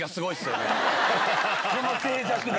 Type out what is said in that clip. この静寂で。